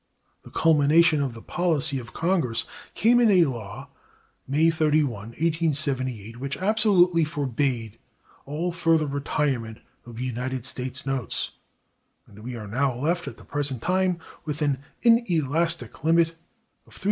The culmination of the policy of Congress came in a law (May 31, 1878) which absolutely forbade all further retirement of United States notes, and we are now left at the present time with an inelastic limit of $346,000,000.